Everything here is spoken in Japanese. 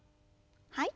はい。